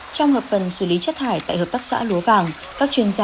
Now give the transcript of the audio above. trong hợp phần xử lý chất thải tại hợp tác xã lúa vàng